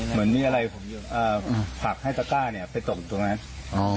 เหมือนมีอะไรฝักให้ตาก้าเนี่ยไปตกตรงนั้น